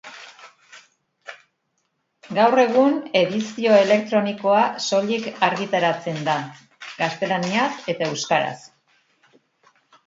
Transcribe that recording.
Gaur egun edizio elektronikoa soilik argitaratzen da, gaztelaniaz eta euskaraz.